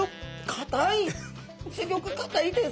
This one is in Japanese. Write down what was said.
すギョくかたいです。